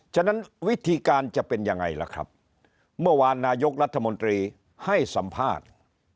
ฉะนั้นวิธีการจะเป็นยังไงล่ะครับเมื่อวานนายกรัฐมนตรีให้สัมภาษณ์